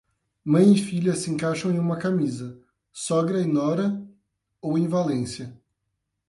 Mãe e filha se encaixam em uma camisa; Sogra e nora, ou em Valência.